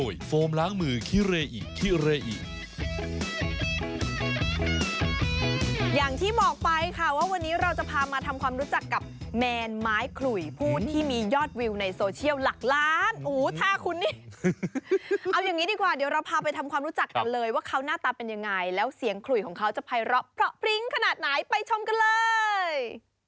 อย่างที่บอกไปค่ะว่าวันนี้เราจะพามาทำความรู้จักกับแมนไม้ขลุยผู้ที่มียอดวิวในโซเชียลหลักล้านอู๋ถ้าคุณนี่เอาอย่างนี้ดีกว่าเดี๋ยวเราพาไปทำความรู้จักกันเลยว่าเขาหน้าตาเป็นยังไงแล้วเสียงขลุยของเขาจะภัยเลาะเพราะพริ้งขนาดไหนไปชมกันเลย